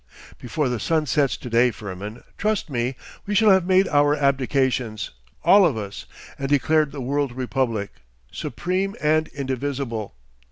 'Before the sun sets to day, Firmin, trust me, we shall have made our abdications, all of us, and declared the World Republic, supreme and indivisible.